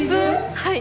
はい。